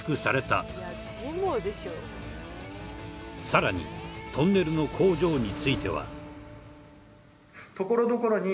さらにトンネルの工場については。